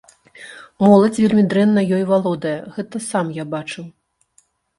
Моладзь вельмі дрэнна ёй валодае, гэта сам я бачыў.